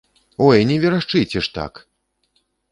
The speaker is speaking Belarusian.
Ой, не верашчыце ж так!